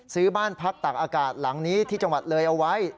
ซื้อบ้านพักตักอากาศหลังนี้ที่จังหวัดเลยเอาไว้